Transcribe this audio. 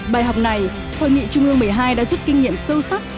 bài học này hội nghị trung ương một mươi hai đã giúp kinh nghiệm sâu sắc